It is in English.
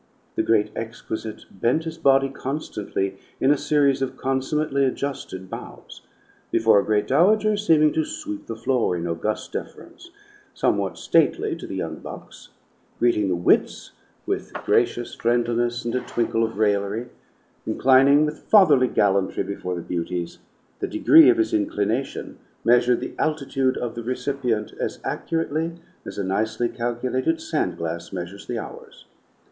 The great exquisite bent his body constantly in a series of consummately adjusted bows: before a great dowager, seeming to sweep the floor in august deference; somewhat stately to the young bucks; greeting the wits with gracious friendliness and a twinkle of raillery; inclining with fatherly gallantry before the beauties; the degree of his inclination measured the altitude of the recipient as accurately as a nicely calculated sand glass measures the hours.